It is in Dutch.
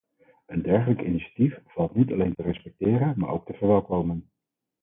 Een dergelijk initiatief valt niet alleen te respecteren maar ook te verwelkomen.